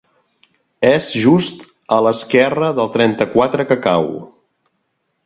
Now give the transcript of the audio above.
És just a l'esquerra del trenta-quatre que cau.